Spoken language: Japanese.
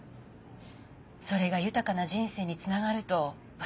それが豊かな人生につながると私は信じてる。